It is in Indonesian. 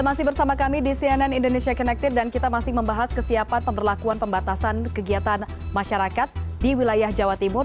masih bersama kami di cnn indonesia connected dan kita masih membahas kesiapan pemberlakuan pembatasan kegiatan masyarakat di wilayah jawa timur